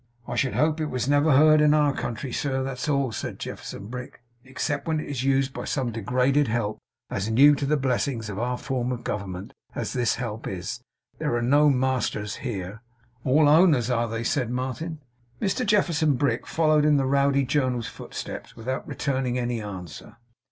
'I should hope it was never heard in our country, sir; that's all,' said Jefferson Brick; 'except when it is used by some degraded Help, as new to the blessings of our form of government, as this Help is. There are no masters here.' 'All "owners," are they?' said Martin. Mr Jefferson Brick followed in the Rowdy Journal's footsteps without returning any answer.